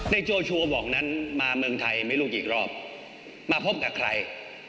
โจชัวบอกนั้นมาเมืองไทยไม่รู้กี่รอบมาพบกับใคร